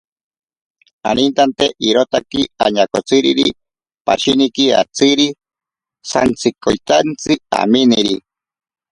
Anintante irotaki añakotsiriri pashiniki atziri santsikoitantsi aminiri.